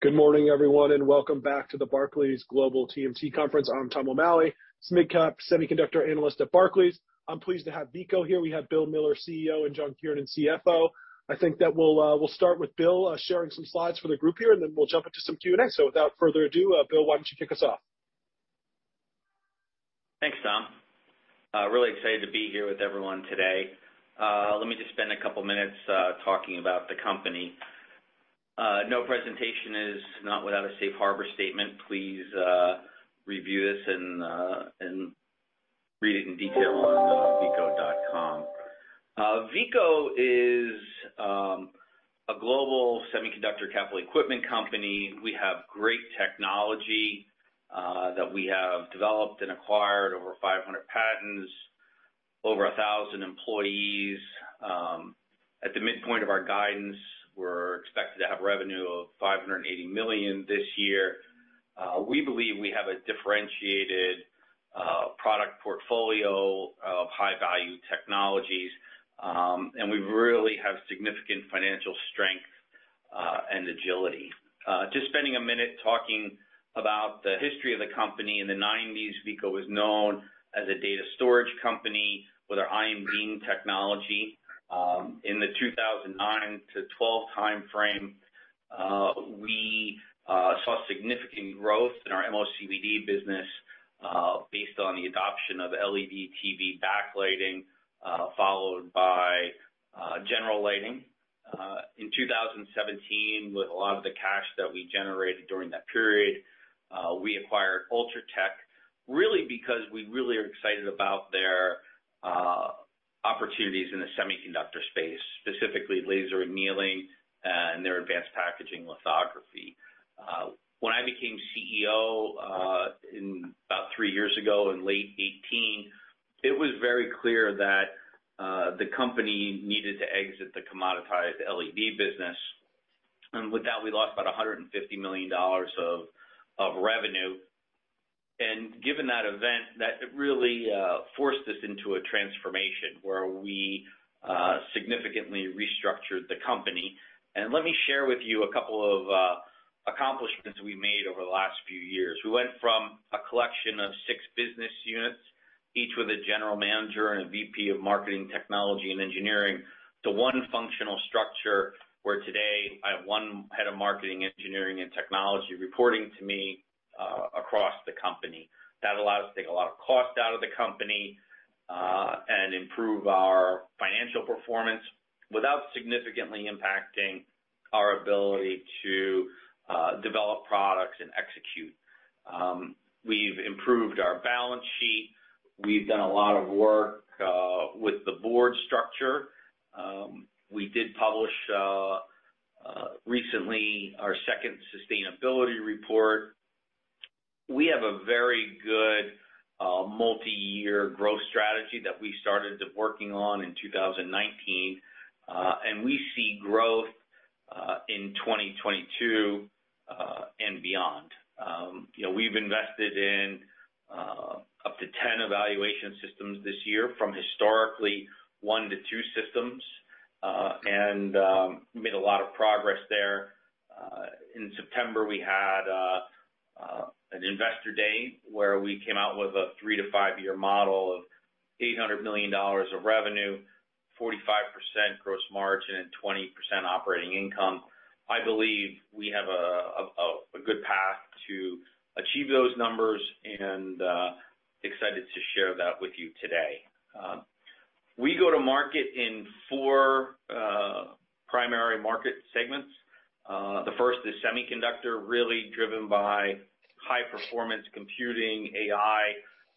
Good morning, everyone, and welcome back to the Barclays Global TMT Conference. I'm Tom O'Malley, Midcap Semiconductor Analyst at Barclays. I'm pleased to have Veeco here. We have Bill Miller, CEO, and John Kiernan, CFO. I think that we'll start with Bill sharing some slides for the group here, and then we'll jump into some Q&A. Without further ado, Bill, why don't you kick us off? Thanks, Tom. Really excited to be here with everyone today. Let me just spend a couple minutes talking about the company. No presentation is not without a safe harbor statement. Please, review this and read it in detail on veeco.com. Veeco is a global semiconductor capital equipment company. We have great technology that we have developed and acquired over 500 patents, over 1,000 employees. At the midpoint of our guidance, we're expected to have revenue of $580 million this year. We believe we have a differentiated product portfolio of high-value technologies, and we really have significant financial strength and agility. Just spending a minute talking about the history of the company. In the 1990s, Veeco was known as a data storage company with our ion beam technology. In the 2009 to 2012 timeframe, we saw significant growth in our MOCVD business based on the adoption of LED TV backlighting, followed by general lighting. In 2017, with a lot of the cash that we generated during that period, we acquired Ultratech really because we really are excited about their opportunities in the Semiconductor space, specifically laser annealing and their Advanced Packaging lithography. When I became CEO in about three years ago in late 2018, it was very clear that the company needed to exit the commoditized LED business, and with that we lost about $150 million of revenue. Given that event, that really forced us into a transformation where we significantly restructured the company. Let me share with you a couple of accomplishments we made over the last few years. We went from a collection of six business units, each with a general manager and a VP of marketing, technology, and engineering, to one functional structure, where today I have one head of marketing, engineering, and technology reporting to me across the company. That allowed us to take a lot of cost out of the company and improve our financial performance without significantly impacting our ability to develop products and execute. We've improved our balance sheet. We've done a lot of work with the board structure. We did publish recently our second sustainability report. We have a very good multi-year growth strategy that we started working on in 2019, and we see growth in 2022 and beyond. You know, we've invested in up to 10 evaluation systems this year from historically one to two systems, and made a lot of progress there. In September, we had an Investor Day where we came out with a three to five-year model of $800 million of revenue, 45% gross margin, and 20% operating income. I believe we have a good path to achieve those numbers and excited to share that with you today. We go to market in four primary market segments. The first is Semiconductor, really driven by high-performance computing, AI.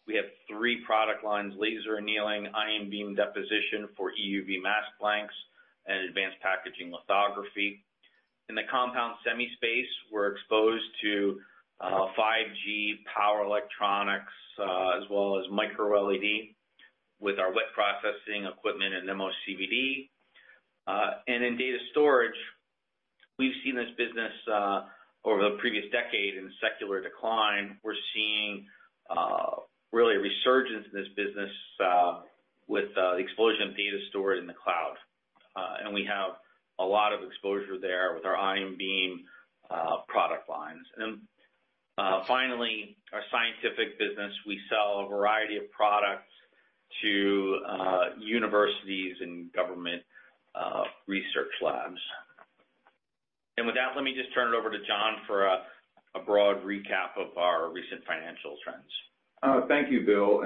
We have three product lines, laser annealing, ion beam deposition for EUV mask blanks, and Advanced Packaging lithography. In the Compound Semi space, we're exposed to 5G power electronics, as well as micro LED with our wet processing equipment and MOCVD. In Data Storage, we've seen this business over the previous decade in secular decline. We're seeing really a resurgence in this business with the explosion of data stored in the cloud. We have a lot of exposure there with our ion beam product lines. Finally, our Scientific business, we sell a variety of products to universities and government research labs. With that, let me just turn it over to John for a broad recap of our recent financial trends. Thank you, Bill.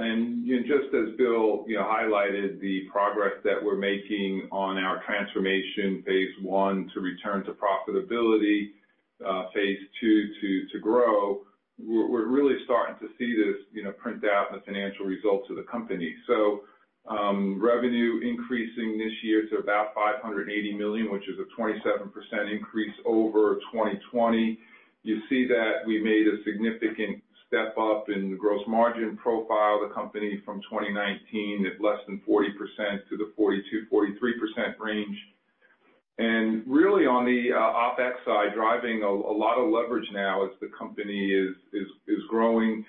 Just as Bill, you know, highlighted the progress that we're making on our transformation, Phase 1 to return to profitability, Phase 2 to grow, we're really starting to see this, you know, print out in the financial results of the company. Revenue increasing this year to about $580 million, which is a 27% increase over 2020. You see that we made a significant step up in the gross margin profile of the company from 2019 at less than 40% to the 42%-43% range. Really on the OpEx side, driving a lot of leverage now as the company is growing.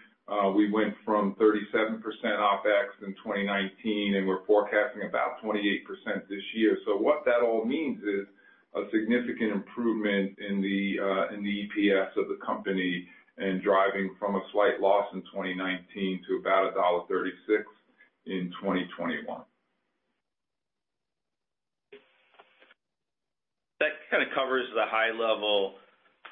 We went from 37% OpEx in 2019, and we're forecasting about 28% this year. What that all means is- A significant improvement in the EPS of the company and driving from a slight loss in 2019 to about $1.36 in 2021. That kind of covers the high level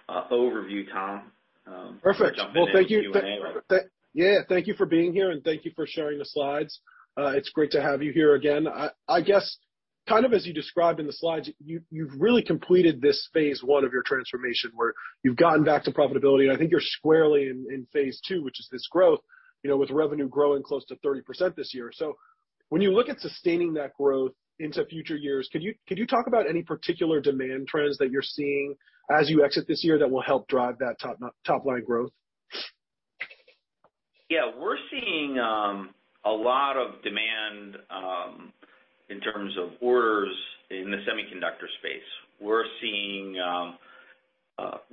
overview, Tom. Perfect. Before jumping into Q&A. Well, thank you for being here, and thank you for sharing the slides. It's great to have you here again. I guess kind of as you described in the slides, you've really completed this Phase 1 of your transformation where you've gotten back to profitability. I think you're squarely in Phase 2, which is this growth, you know, with revenue growing close to 30% this year. When you look at sustaining that growth into future years, could you talk about any particular demand trends that you're seeing as you exit this year that will help drive that top line growth? Yeah. We're seeing a lot of demand in terms of orders in the Semiconductor space. We're seeing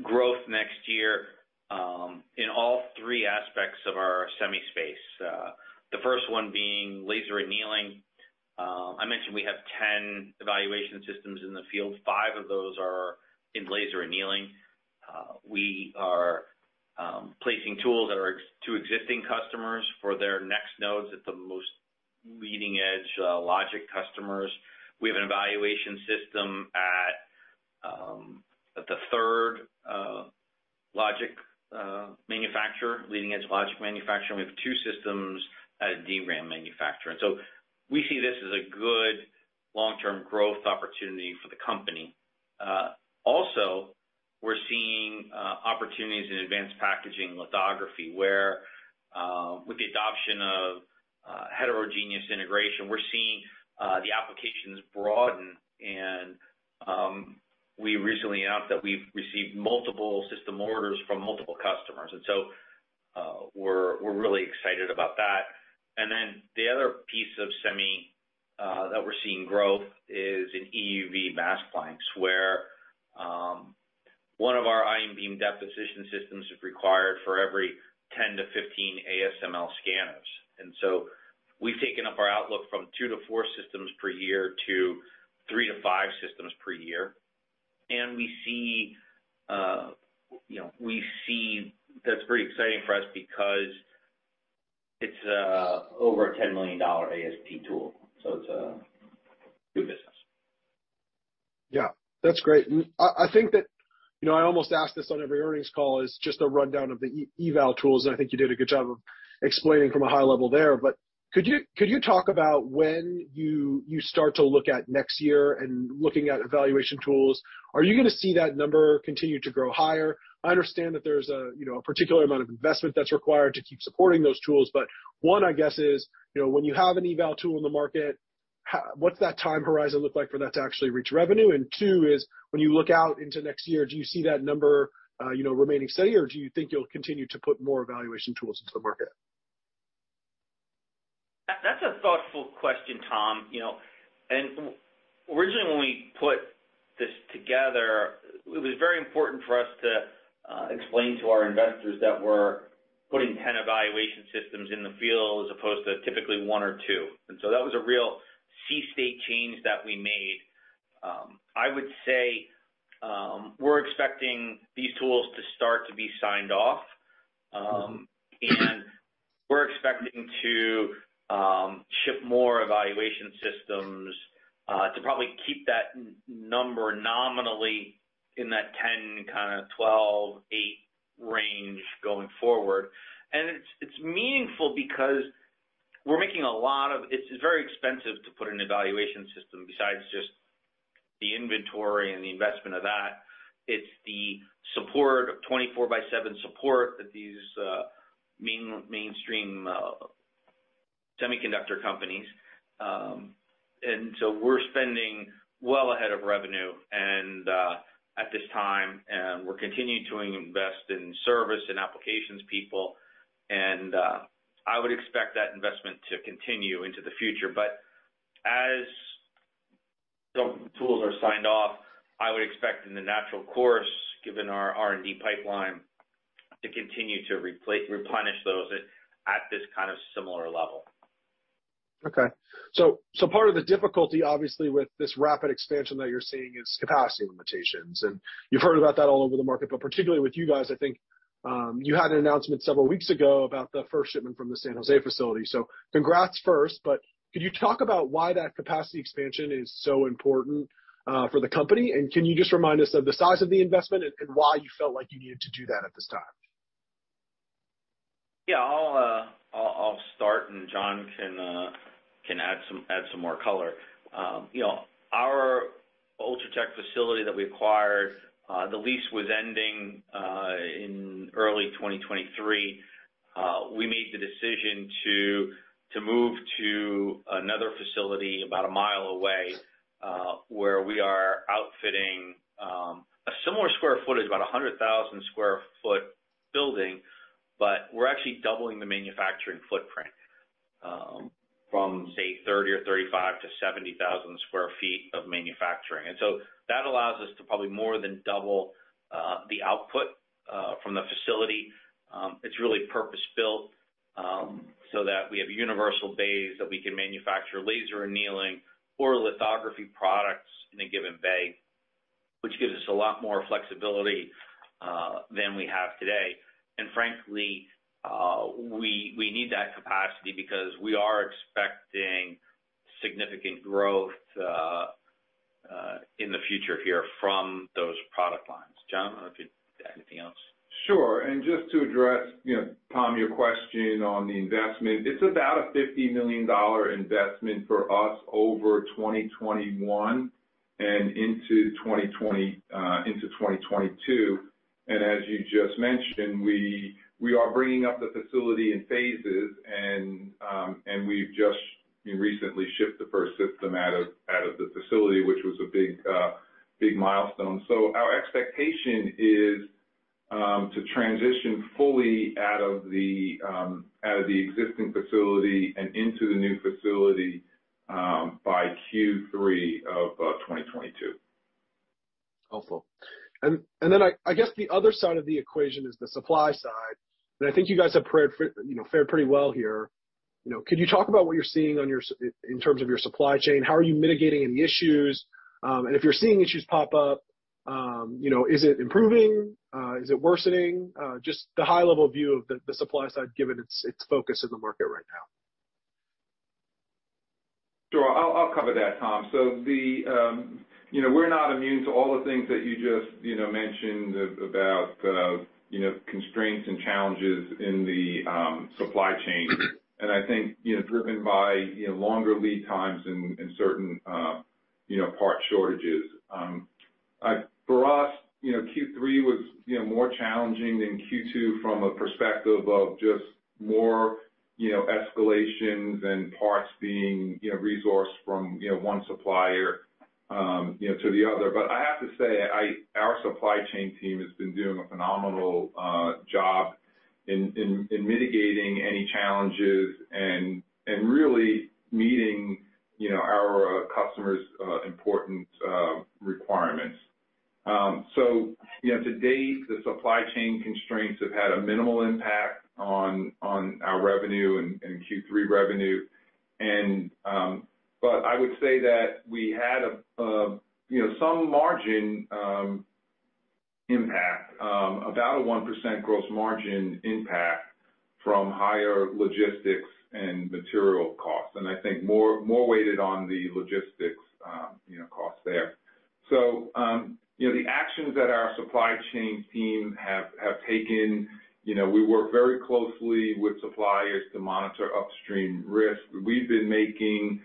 growth next year in all three aspects of our semi space. The first one being laser annealing. I mentioned we have 10 evaluation systems in the field. Five of those are in laser annealing. We are placing tools to existing customers for their next nodes at the most leading-edge logic customers. We have an evaluation system at the third logic manufacturer, leading-edge logic manufacturer, and we have two systems at a DRAM manufacturer. We see this as a good long-term growth opportunity for the company. Also, we're seeing opportunities in advanced packaging lithography, where with the adoption of heterogeneous integration, we're seeing the applications broaden. We recently announced that we've received multiple system orders from multiple customers, and so we're really excited about that. The other piece of semi that we're seeing growth is in EUV mask blanks, where one of our ion beam deposition systems is required for every 10-15 ASML scanners. We've taken up our outlook from two to four systems per year to three to five systems per year. We see you know we see that's pretty exciting for us because it's over a $10 million ASP tool, so it's good business. Yeah. That's great. I think that, you know, I almost ask this on every earnings call is just a rundown of the eval tools, and I think you did a good job of explaining from a high level there. Could you talk about when you start to look at next year and looking at evaluation tools, are you gonna see that number continue to grow higher? I understand that there's a, you know, a particular amount of investment that's required to keep supporting those tools. One, I guess, is, you know, when you have an eval tool in the market, what's that time horizon look like for that to actually reach revenue? Two is, when you look out into next year, do you see that number, you know, remaining steady, or do you think you'll continue to put more evaluation tools into the market? That's a thoughtful question, Tom. You know, originally, when we put this together, it was very important for us to explain to our investors that we're putting 10 evaluation systems in the field as opposed to typically one or two systems. So that was a real sea change that we made. I would say we're expecting these tools to start to be signed off. We're expecting to ship more evaluation systems to probably keep that number nominally in that 10, kinda 12, eight range going forward. It's meaningful because we're making a lot of. It's very expensive to put an evaluation system besides just the inventory and the investment of that. It's the support, 24/7 support that these mainstream semiconductor companies. We're spending well ahead of revenue, and at this time, we're continuing to invest in service and applications people. I would expect that investment to continue into the future. As the tools are signed off, I would expect in the natural course, given our R&D pipeline, to continue to replenish those at this kind of similar level. Okay. Part of the difficulty, obviously, with this rapid expansion that you're seeing is capacity limitations, and you've heard about that all over the market. Particularly with you guys, I think, you had an announcement several weeks ago about the first shipment from the San Jose facility. Congrats first, but could you talk about why that capacity expansion is so important for the company? Can you just remind us of the size of the investment and why you felt like you needed to do that at this time? Yeah. I'll start, and John can add some more color. You know, our Ultratech facility that we acquired, the lease was ending in early 2023. We made the decision to move to another facility about a mile away, where we are outfitting a similar square footage, about 100,000 sq ft building, but we're actually doubling the manufacturing footprint from, say, 30,000 or 35,000 to 70,000 sq ft of manufacturing. That allows us to probably more than double the output from the facility. It's really purpose-built so that we have universal bays that we can manufacture laser annealing or lithography products in a given bay, which gives us a lot more flexibility than we have today. Frankly, we need that capacity because we are expecting significant growth in the future here from those product lines. John, I don't know if you have anything else? Sure. Just to address, you know, Tom, your question on the investment, it's about a $50 million investment for us over 2021 and into 2022. As you just mentioned, we are bringing up the facility in phases and we've just, you know, recently shipped the first system out of the facility, which was a big milestone. Our expectation is to transition fully out of the existing facility and into the new facility by Q3 of 2022. Awesome. Then I guess the other side of the equation is the supply side. I think you guys have fared pretty well here. You know, could you talk about what you're seeing in terms of your supply chain? How are you mitigating any issues? If you're seeing issues pop up, you know, is it improving? Is it worsening? Just the high level view of the supply side, given its focus in the market right now. Sure. I'll cover that, Tom. You know, we're not immune to all the things that you just, you know, mentioned about, you know, constraints and challenges in the supply chain. I think, you know, driven by, you know, longer lead times in certain, you know, part shortages. For us, you know, Q3 was, you know, more challenging than Q2 from a perspective of just more, you know, escalations and parts being, you know, resourced from, you know, one supplier, you know, to the other. I have to say, our supply chain team has been doing a phenomenal job in mitigating any challenges and really meeting, you know, our customers' important requirements. You know, to date, the supply chain constraints have had a minimal impact on our revenue and Q3 revenue. I would say that we had some margin impact, about a 1% gross margin impact from higher logistics and material costs, and I think more weighted on the logistics costs there. The actions that our supply chain team have taken, we work very closely with suppliers to monitor upstream risk. We've been making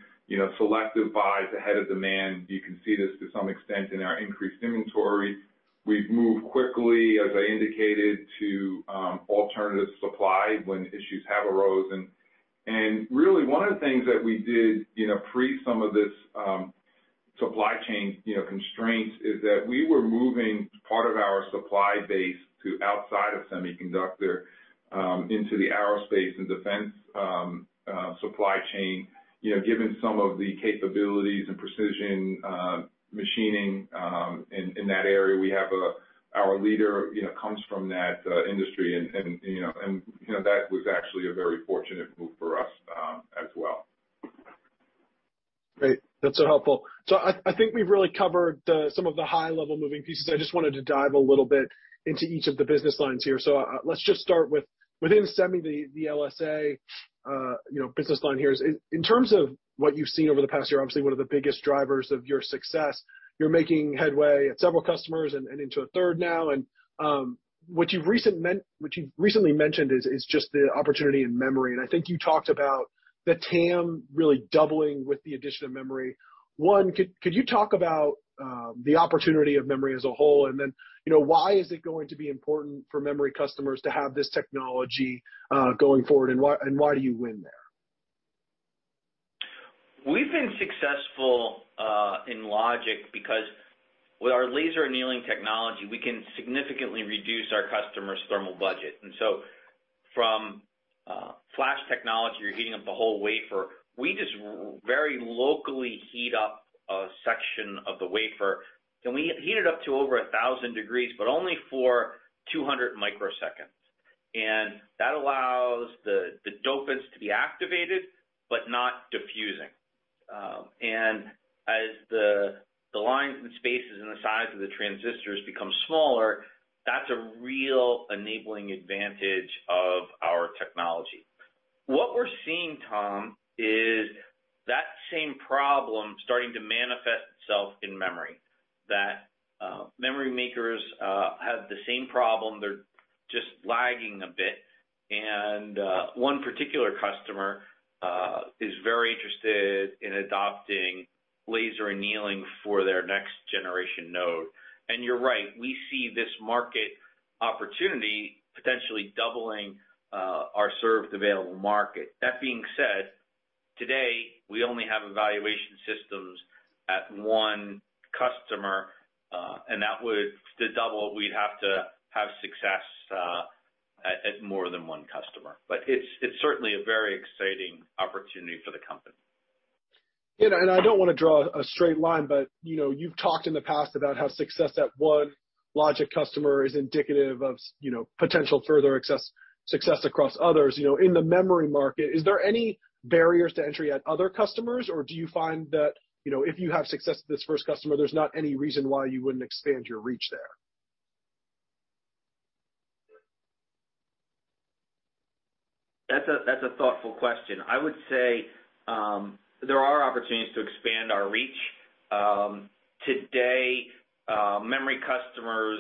selective buys ahead of demand. You can see this to some extent in our increased inventory. We've moved quickly, as I indicated, to alternative supply when issues have arose. Really, one of the things that we did, you know, pre some of this supply chain, you know, constraints, is that we were moving part of our supply base to outside of semiconductor into the aerospace and defense supply chain. You know, given some of the capabilities and precision machining in that area, we have our leader, you know, comes from that industry. That was actually a very fortunate move for us, as well. Great. That's so helpful. I think we've really covered some of the high level moving pieces. I just wanted to dive a little bit into each of the business lines here. Let's just start with within semi, the LSA, you know, business line here. In terms of what you've seen over the past year, obviously one of the biggest drivers of your success, you're making headway at several customers and into a third now. What you've recently mentioned is just the opportunity in memory. I think you talked about the TAM really doubling with the addition of memory. One, could you talk about the opportunity of memory as a whole? You know, why is it going to be important for memory customers to have this technology going forward, and why do you win there? We've been successful in logic because with our laser annealing technology, we can significantly reduce our customers' thermal budget. From flash technology, you're heating up the whole wafer. We just very locally heat up a section of the wafer, and we heat it up to over 1,000 degrees, but only for 200 microseconds. That allows the dopants to be activated, but not diffusing. As the lines and spaces and the size of the transistors become smaller, that's a real enabling advantage of our technology. What we're seeing, Tom, is that same problem starting to manifest itself in memory, that memory makers have the same problem. They're just lagging a bit. One particular customer is very interested in adopting laser annealing for their next generation node. You're right, we see this market opportunity potentially doubling our served available market. That being said, today, we only have evaluation systems at one customer, and to double, we'd have to have success at more than one customer. It's certainly a very exciting opportunity for the company. You know, I don't wanna draw a straight line, but, you know, you've talked in the past about how success at one logic customer is indicative of you know, potential further access success across others. You know, in the memory market, is there any barriers to entry at other customers, or do you find that, you know, if you have success with this first customer, there's not any reason why you wouldn't expand your reach there? That's a thoughtful question. I would say there are opportunities to expand our reach. Today, memory customers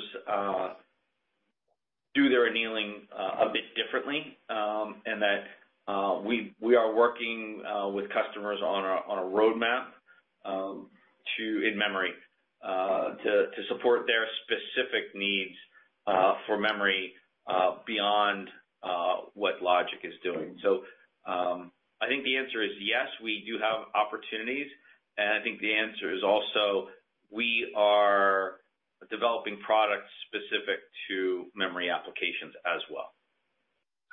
do their annealing a bit differently, in that we are working with customers on a roadmap in memory to support their specific needs for memory beyond what logic is doing. I think the answer is yes, we do have opportunities, and I think the answer is also we are developing products specific to memory applications as well.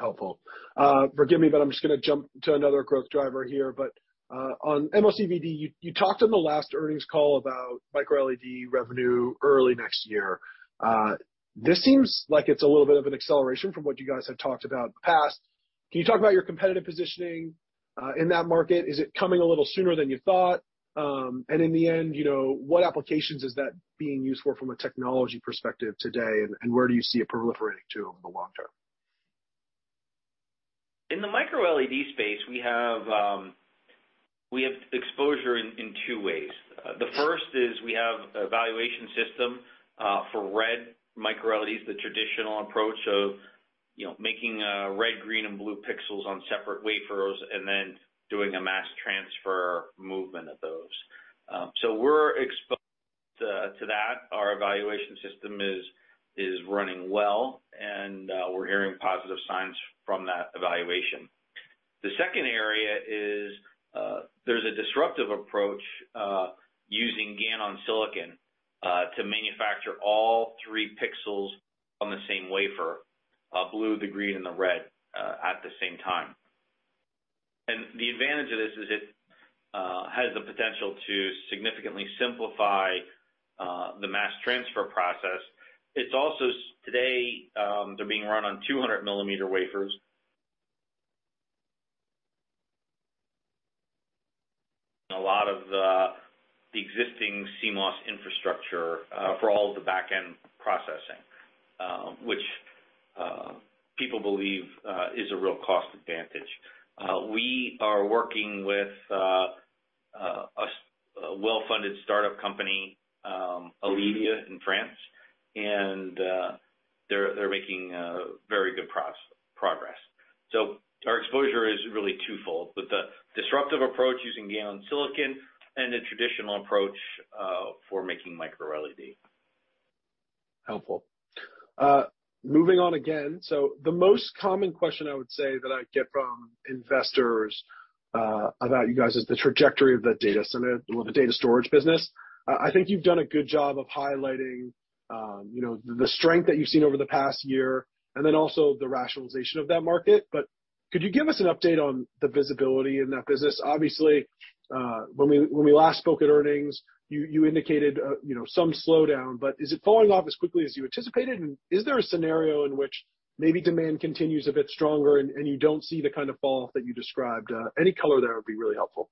Helpful. Forgive me, but I'm just gonna jump to another growth driver here. On MOCVD, you talked on the last earnings call about micro LED revenue early next year. This seems like it's a little bit of an acceleration from what you guys have talked about in the past. Can you talk about your competitive positioning in that market? Is it coming a little sooner than you thought? In the end, you know, what applications is that being used for from a technology perspective today, and where do you see it proliferating to over the long term? In the micro LED space, we have exposure in two ways. The first is we have evaluation system for red micro LEDs, the traditional approach of, you know, making red, green, and blue pixels on separate wafers and then doing a mass transfer movement of those. We're exposed to that. Our evaluation system is running well, and we're hearing positive signs from that evaluation. The second area is, there's a disruptive approach using GaN on silicon to manufacture all three pixels on the same wafer, blue, the green, and the red at the same time. The advantage of this is it has the potential to significantly simplify the mass transfer process. It's also today, they're being run on 200 mm wafers. A lot of the existing CMOS infrastructure for all of the back-end processing, which people believe is a real cost advantage. We are working with a well-funded startup company, Aledia in France, and they're making very good progress. Our exposure is really twofold, with the disruptive approach using GaN on silicon and a traditional approach for making micro LED. Helpful. Moving on again. The most common question I would say that I get from investors about you guys is the trajectory of the data center or the Data Storage business. I think you've done a good job of highlighting, you know, the strength that you've seen over the past year and then also the rationalization of that market. Could you give us an update on the visibility in that business? Obviously, when we last spoke at earnings, you indicated, you know, some slowdown, but is it falling off as quickly as you anticipated? Is there a scenario in which maybe demand continues a bit stronger and you don't see the kind of fall-off that you described? Any color there would be really helpful.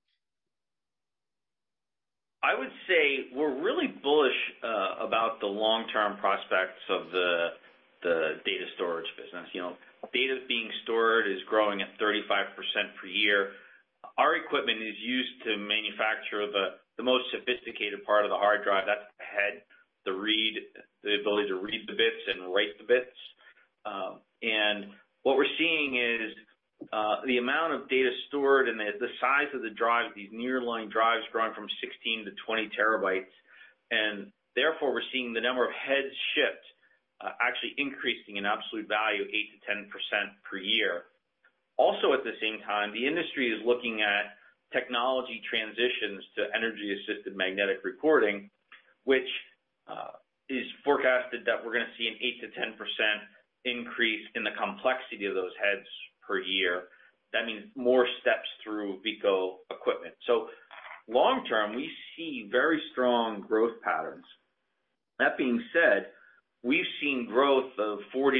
I would say we're really bullish about the long-term prospects of the Data Storage business. You know, data being stored is growing at 35% per year. Our equipment is used to manufacture the most sophisticated part of the hard drive. That's the head, the read, the ability to read the bits and write the bits. What we're seeing is the amount of data stored and the size of the drive, these nearline drives growing from 16 TB to 20 TB, and therefore, we're seeing the number of heads shipped actually increasing in absolute value 8%-10% per year. Also, at the same time, the industry is looking at technology transitions to energy-assisted magnetic recording, which is forecasted that we're gonna see an 8%-10% increase in the complexity of those heads per year. That means more steps through Veeco equipment. Long term, we see very strong growth patterns. That being said, we've seen growth of 40%-50%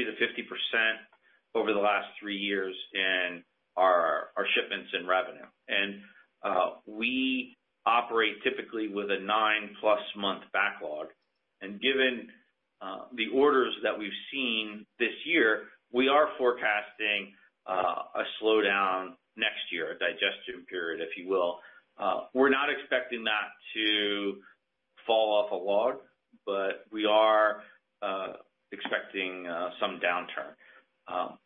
over the last three years in our shipments and revenue. We operate typically with a nine-plus month backlog. Given the orders that we've seen this year, we are forecasting a slowdown next year, a digestion period, if you will. We're not expecting that to fall off a log, but we are expecting some downturn.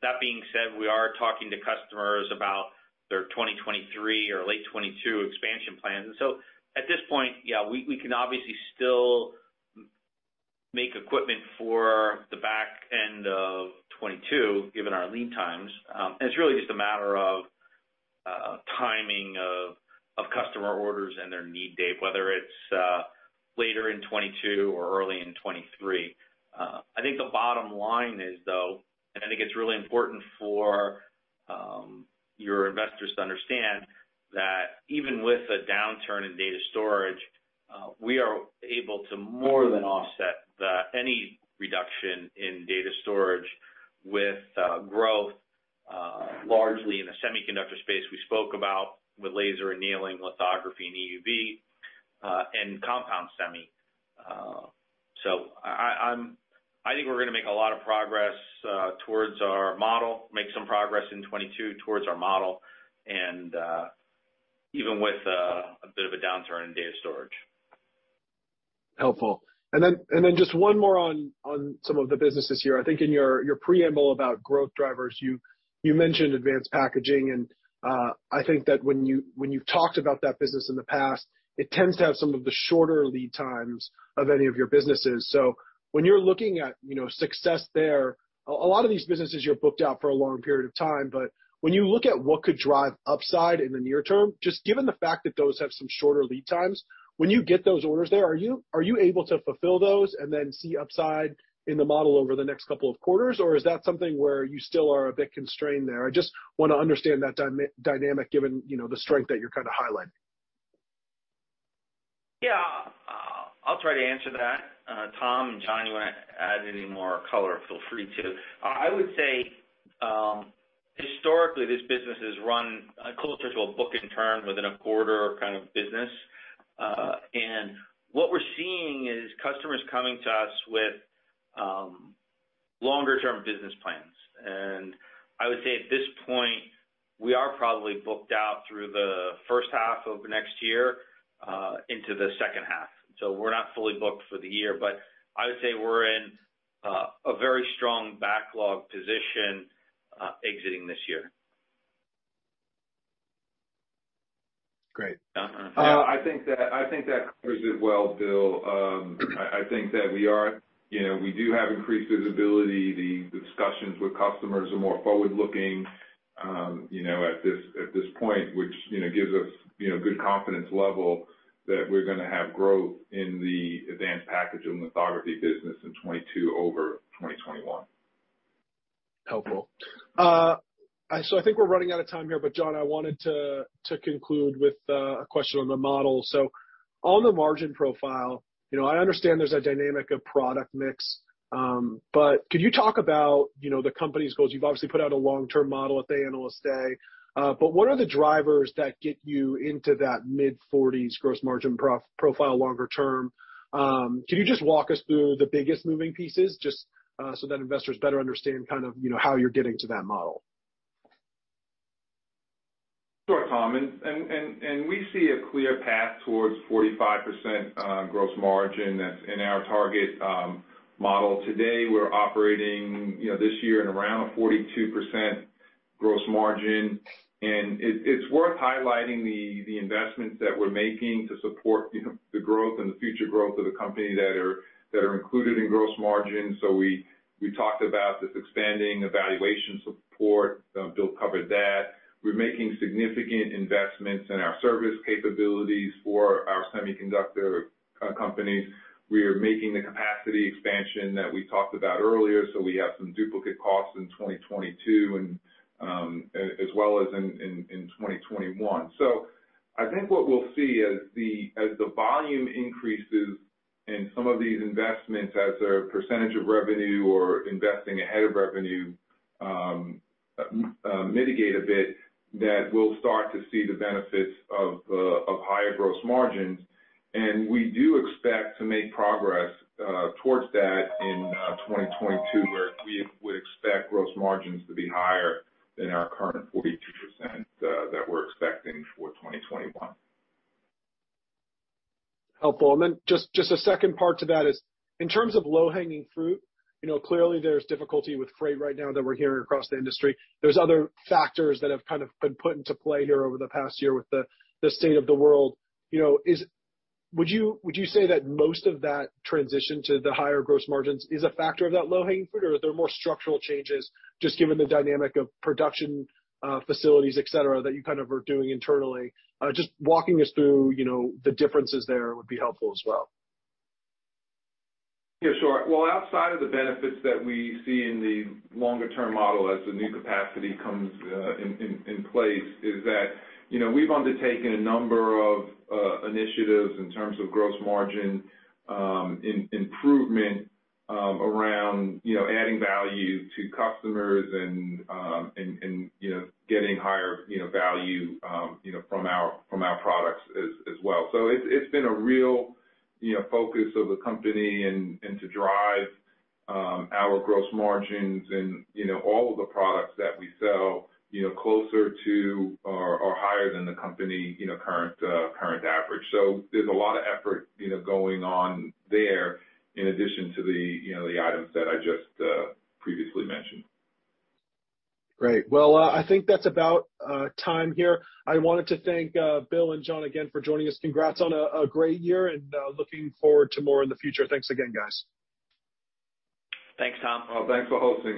That being said, we are talking to customers about their 2023 or late 2022 expansion plans. At this point, yeah, we can obviously still make equipment for the back end of 2022, given our lead times. It's really just a matter of timing of customer orders and their need date, whether it's later in 2022 or early in 2023. I think the bottom line is though, I think it's really important for your investors to understand that even with a downturn in Data Storage, we are able to more than offset any reduction in Data Storage with growth, largely in the Semiconductor space we spoke about with laser annealing, lithography, and EUV, and compound semi. I think we're gonna make a lot of progress towards our model, make some progress in 2022 towards our model, and even with a bit of a downturn in Data Storage. Helpful. Then just one more on some of the businesses here. I think in your preamble about growth drivers, you mentioned Advanced Packaging. I think that when you've talked about that business in the past, it tends to have some of the shorter lead times of any of your businesses. When you're looking at, you know, success there, a lot of these businesses you're booked out for a long period of time, but when you look at what could drive upside in the near term, just given the fact that those have some shorter lead times, when you get those orders there, are you able to fulfill those and then see upside in the model over the next couple of quarters? Or is that something where you still are a bit constrained there? I just wanna understand that dynamic given, you know, the strength that you're kinda highlighting. Yeah. I'll try to answer that, Tom. And John, if you wanna add any more color, feel free to. I would say, historically this business is run closer to a booking term within a quarter kind of business. What we're seeing is customers coming to us with longer term business plans. I would say at this point, we are probably booked out through the first half of next year, into the second half. We're not fully booked for the year, but I would say we're in a very strong backlog position exiting this year. Great. Uh-huh. I think that covers it well, Bill. I think that we are, you know, we do have increased visibility. The discussions with customers are more forward-looking, you know, at this point, which, you know, gives us, you know, good confidence level that we're gonna have growth in the Advanced Packaging lithography business in 2022 over 2021. Helpful. I think we're running out of time here, but John, I wanted to conclude with a question on the model. On the margin profile, you know, I understand there's a dynamic of product mix, but could you talk about, you know, the company's goals? You've obviously put out a long-term model at the Analyst Day, but what are the drivers that get you into that mid-40s gross margin profile longer term? Can you just walk us through the biggest moving pieces just so that investors better understand kind of, you know, how you're getting to that model? Sure, Tom. We see a clear path towards 45% gross margin that's in our target model. Today, we're operating, you know, this year at around a 42% gross margin. It is worth highlighting the investments that we're making to support, you know, the growth and the future growth of the company that are included in gross margin. We talked about this expanding evaluation support. Bill covered that. We're making significant investments in our service capabilities for our semiconductor companies. We are making the capacity expansion that we talked about earlier, so we have some duplicate costs in 2022, and as well as in 2021. I think what we'll see as the volume increases and some of these investments as a percentage of revenue or investing ahead of revenue mitigate a bit, that we'll start to see the benefits of higher gross margins. We do expect to make progress towards that in 2022, where we would expect gross margins to be higher than our current 42% that we're expecting for 2021. Helpful. Just a second part to that is in terms of low-hanging fruit, you know, clearly there's difficulty with freight right now that we're hearing across the industry. There's other factors that have kind of been put into play here over the past year with the state of the world. You know, would you say that most of that transition to the higher gross margins is a factor of that low-hanging fruit, or are there more structural changes just given the dynamic of production, facilities, et cetera, that you kind of are doing internally? Just walking us through, you know, the differences there would be helpful as well. Yeah, sure. Well, outside of the benefits that we see in the longer term model as the new capacity comes in place is that, you know, we've undertaken a number of initiatives in terms of gross margin improvement around, you know, adding value to customers and getting higher value from our products as well. It's been a real focus of the company and to drive our gross margins and all of the products that we sell closer to or higher than the company current average. So there's a lot of effort going on there in addition to the items that I just previously mentioned. Great. Well, I think that's about time here. I wanted to thank Bill and John again for joining us. Congrats on a great year, and looking forward to more in the future. Thanks again, guys. Thanks, Tom. Thanks for hosting us.